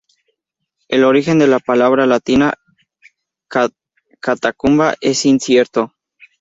El origen de la palabra latina "catacumba" es incierto.